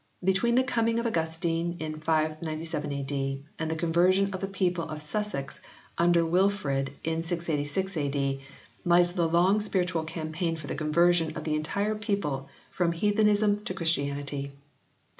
Between the coming of Augustine in 597 A.D. and the conversion of the people of Sussex under Wilfrid in 686 A.D. lies the long spiritual campaign for the conversion of the entire people from heathenism to Christianity.